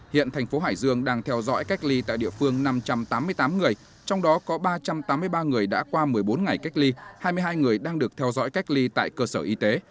hiện thành phố hải dương đang theo dõi cách ly tại địa phương năm trăm tám mươi tám người trong đó có ba trăm tám mươi ba người đã qua một mươi bốn ngày cách ly hai mươi hai người đang được theo dõi cách ly tại cơ sở y tế